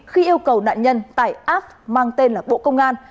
khi yêu cầu nạn nhân tải app mang tên là bộ công an